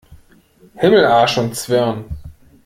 Himmel, Arsch und Zwirn!